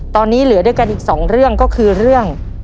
ตอนนี้เหลือด้วยกันอีกสองเรื่องก็คือเรื่อง